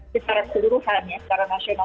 sekitar seluruhannya secara nasional